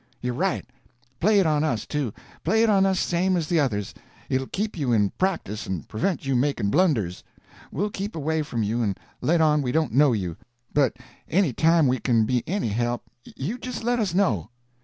You're right; play it on us, too; play it on us same as the others; it'll keep you in practice and prevent you making blunders. We'll keep away from you and let on we don't know you, but any time we can be any help, you just let us know."